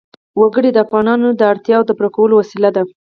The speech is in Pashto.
وګړي د افغانانو د اړتیاوو د پوره کولو وسیله ده.